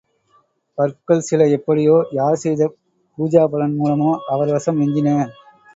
பற்கள் சில எப்படியோ, யார் செய்த பூஜாபலன் மூலமோ அவர் வசம் எஞ்சின.